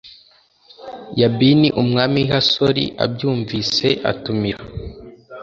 Yabini umwami w i Hasori abyumvise atumira